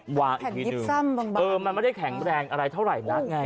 แผ่นยิบซ่ำบางเออมันไม่ได้แข็งแรงอะไรเท่าไหร่นักไง